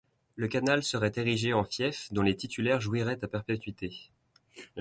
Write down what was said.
Le canal serait érigé en fief dont les titulaires jouiraient à perpétuité.